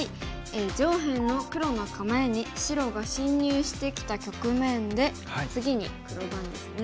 上辺の黒の構えに白が侵入してきた局面で次に黒番ですね。